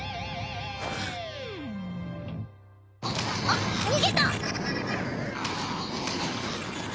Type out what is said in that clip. あっ逃げた！